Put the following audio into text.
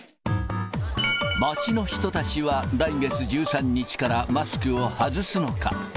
街の人たちは、来月１３日からマスクを外すのか。